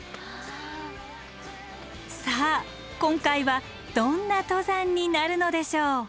さあ今回はどんな登山になるのでしょう？